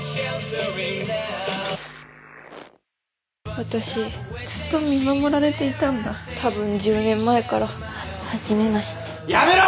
私ずっと見守られていたんだ多分１０年前からははじめましてやめろ！